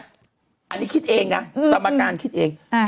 อันนี้คิดเองนะสมการคิดเอง